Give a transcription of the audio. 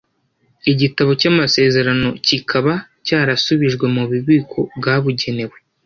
Igitabo cy’amasezerano kikaba cyarasubijwe mu bubiko bwabugenewe.